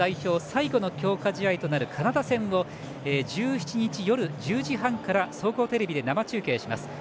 最後の強化試合となるカナダ戦を１７日夜１０時半から総合テレビで生中継します。